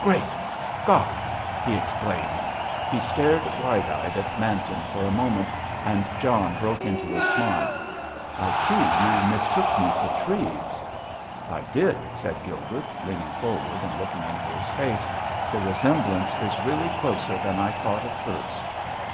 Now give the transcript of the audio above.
"Great Scott!" he exclaimed. He stared wide eyed at Manton for a moment, and John broke into a smile. "I see you mistook me for Treves." "I did," said Gilbert, leaning forward and looking into his face. "The resemblance is really closer than I thought at first.